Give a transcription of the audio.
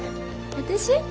私？